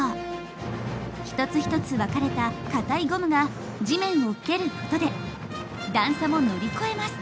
一つ一つ分かれたかたいゴムが地面を蹴ることで段差も乗り越えます。